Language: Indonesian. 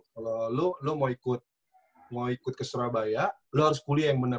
kalau lo lo mau ikut ke surabaya lo harus kuliah yang benar